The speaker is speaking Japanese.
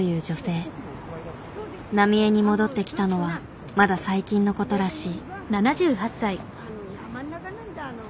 浪江に戻ってきたのはまだ最近のことらしい。